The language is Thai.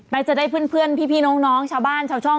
จะได้เพื่อนพี่น้องชาวบ้านชาวช่อง